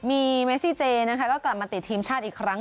มีเมซี่เจนะคะก็กลับมาติดทีมชาติอีกครั้ง